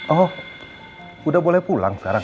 oh udah boleh pulang sekarang